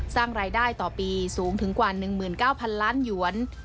สร้างรายได้ต่อปีสูงถึงกว่า๑๙๐๐ล้านหยวน